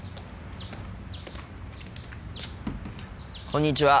こんにちは。